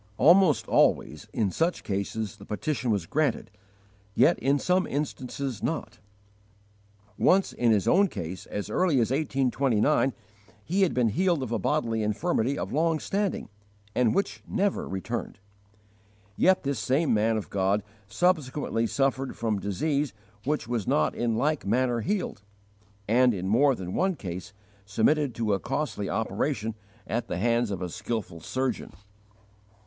Almost always in such cases the petition was granted, yet in some instances not. Once, in his own case, as early as 1829, he had been healed of a bodily infirmity of long standing, and which never returned. Yet this same man of God subsequently suffered from disease which was not in like manner healed, and in more than one case submitted to a costly operation at the hands of a skilful surgeon.